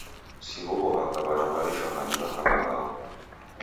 Si huw'o w'aka w'aravarishwa ni w'aka w'ambao.